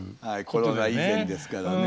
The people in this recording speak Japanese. コロナ以前ですからね。